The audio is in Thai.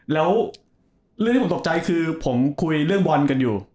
แล้วเรื่องที่ผมตกใจคือผมคุยเรื่องบอลกันอยู่